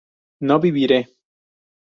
no viviré